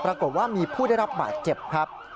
ปรากฏว่ามีผู้ได้รับบาดเจ็บครับ